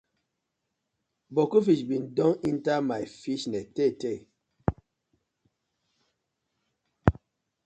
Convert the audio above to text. Boku fish been don enter my fishernet tey tey.